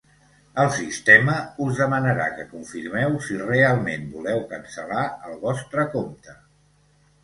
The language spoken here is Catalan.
El sistema us demanarà que confirmeu si realment voleu cancel·lar el vostre compte.